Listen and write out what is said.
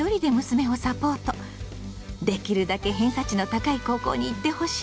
「できるだけ偏差値の高い高校に行ってほしい！」。